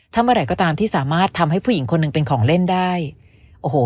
ถ้าเมื่อไหร่ก็ตามที่สามารถทำให้ผู้หญิงคนหนึ่งเป็นของเล่นได้โอ้โห